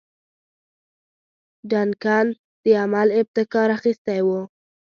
ډنکن د عمل ابتکار اخیستی وو.